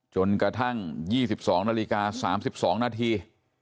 จนกระทั่ง๒๒นาฬิกา๓๒นาที